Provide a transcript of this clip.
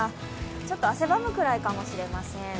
ちょっと汗ばむくらいかもしれません。